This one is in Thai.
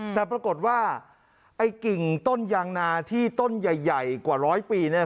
แต่ปรากฏว่าไอ้กิ่งต้นยางนาที่ต้นใหญ่กว่าร้อยปีเนี่ย